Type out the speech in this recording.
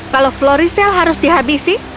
kalau flory zell harus dihabisi